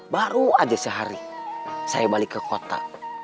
baru aja sehari saya balik ke kota